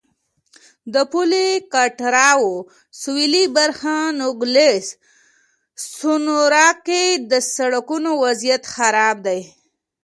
د پولې کټارو سوېلي برخه نوګالس سونورا کې د سړکونو وضعیت خراب دی.